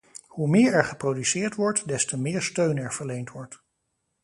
Hoe meer er geproduceerd wordt, des te meer steun er verleend wordt.